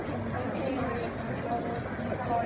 พี่แม่ที่เว้นได้รับความรู้สึกมากกว่า